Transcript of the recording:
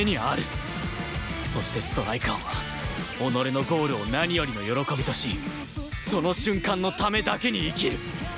そしてストライカーは己のゴールを何よりの喜びとしその瞬間のためだけに生きる